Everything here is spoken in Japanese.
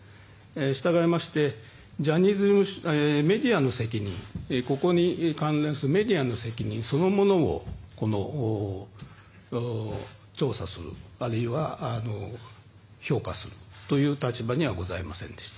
従いまして、メディアの責任ここに関連するメディアの責任そのものを調査するあるいは、評価するという立場にはございませんでした。